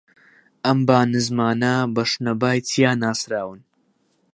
ئەم با نزمانە بە شنەبای چیا ناسراون